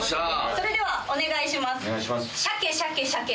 それではお願いします。